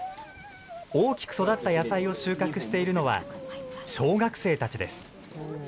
大きく育った野菜を収穫しているのは、小学生たちです。